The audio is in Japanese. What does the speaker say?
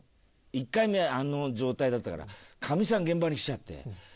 １回目あの状態だったからかみさん現場に来ちゃって。